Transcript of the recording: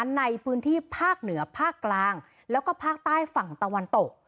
ในพื้นที่ภาคเหนือภาคกลางแล้วก็ภาคใต้ฝั่งตะวันตก